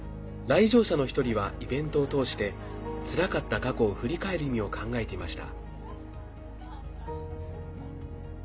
来場者の１人はイベントを通してつらかった過去を振り返る意味を考えていました。